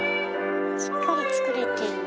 しっかり作れてる。